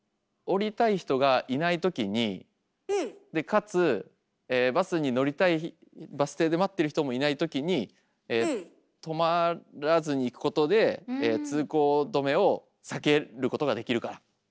降りたい人がいないときにでかつバス停で待ってる人もいないときにとまらずに行くことで通行止めを避けることができるから。